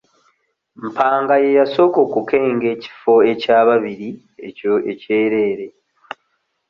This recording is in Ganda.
Mpanga ye yasooka okukenga ekifo ekyababiri ekyereere.